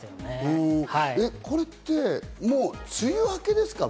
これって梅雨明けですか？